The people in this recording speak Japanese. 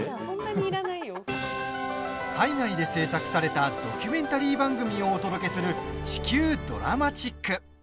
海外で制作されたドキュメンタリー番組をお届けする「地球ドラマチック」。